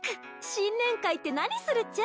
新年会って何するっちゃ？